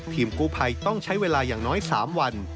กู้ภัยต้องใช้เวลาอย่างน้อย๓วัน